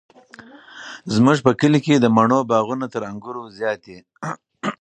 زموږ په کلي کې د مڼو باغونه تر انګورو زیات دي.